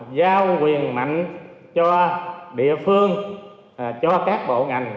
giao quyền mạnh cho địa phương cho các bộ ngành